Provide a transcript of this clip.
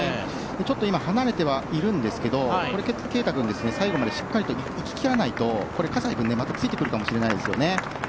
ちょっと今、離れていますが圭汰君は最後までしっかり行き切らないとまたついてくるかもしれないですね。